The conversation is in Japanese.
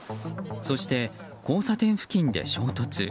そして、交差点付近で衝突。